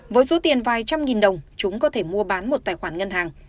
với số tiền vài trăm nghìn đồng chúng có thể mua bán một tài khoản ngân hàng